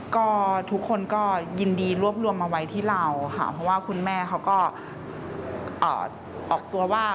ก็ทุกคนก็ยินดีรวบรวมมาไว้ที่เราค่ะเพราะว่าคุณแม่เขาก็ออกตัวว่า